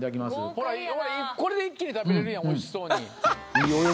ほらこれで一気に食べれるやんおいしそうにははははっ